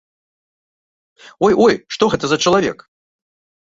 Ой, ой, што гэта за чалавек?